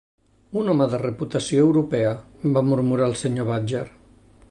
"Un home de reputació europea", va murmurar el senyor Badger.